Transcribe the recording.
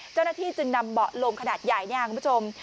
เจ้าหน้าที่จึงนำเบาะลมขนาดใหญ่เนี่ยคุณผู้ชม